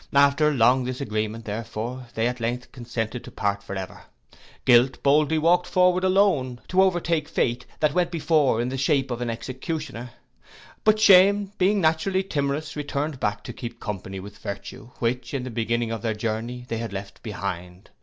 After long disagreeement, therefore, they at length consented to part for ever. Guilt boldly walked forward alone, to overtake fate, that went before in the shape of an executioner: but shame being naturally timorous, returned back to keep company with virtue, which, in the beginning of their journey, they had left behind.